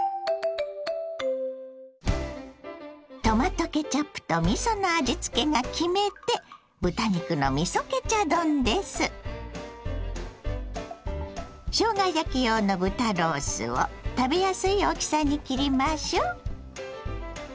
トマトケチャップとみその味付けが決め手しょうが焼き用の豚ロースを食べやすい大きさに切りましょう。